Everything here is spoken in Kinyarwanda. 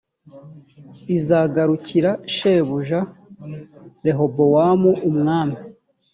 izagarukira shebuja rehobowamu umwami